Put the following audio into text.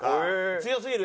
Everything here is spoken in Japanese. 強すぎる？